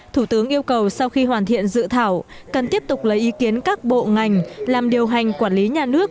thủ tướng yêu cầu sau khi hoàn thiện dự thảo cần tiếp tục lấy ý kiến các bộ ngành làm điều hành quản lý nhà nước